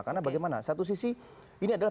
karena bagaimana satu sisi ini adalah